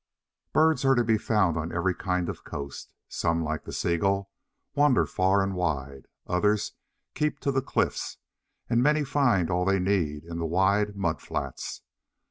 Birds are to be found on every kind of coast. Some, like the Seagull, wander far and wide. Others keep to the cliffs, and many find all they need in the wide mud flats.